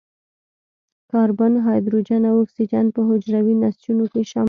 کاربن، هایدروجن او اکسیجن په حجروي نسجونو کې شامل دي.